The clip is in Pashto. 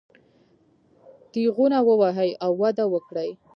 تېغونه ووهي او وده وکړي.